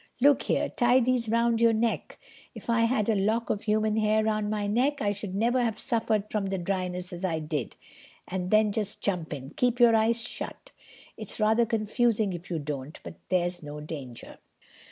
"Look here, tie these round your necks—if I'd had a lock of human hair round my neck I should never have suffered from the dryness as I did. And then just jump in. Keep your eyes shut. It's rather confusing if you don't; but there's no danger."